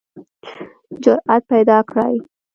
جرئت پیداکړئ